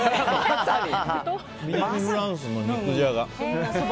南フランスの肉じゃが。